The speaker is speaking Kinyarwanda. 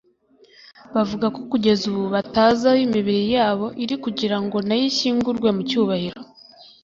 bavuga ko kugeza ubu batazi aho imibiri y’ababo iri kugira ngo nayo ishyingurwe mu cyubahiro